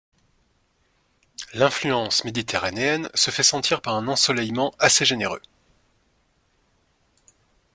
L'influence méditerranéenne se fait sentir par un ensoleillement assez généreux.